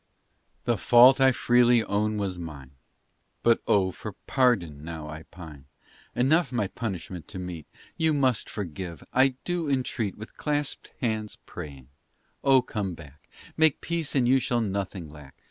The fault I freely own was mine. But oh, for pardon now I pine! Enough my punishment to meet, You must forgive, I do entreat With clasped hands praying oh, come back, Make peace, and you shall nothing lack.